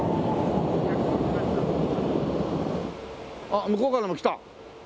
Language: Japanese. あっ向こうからも来た！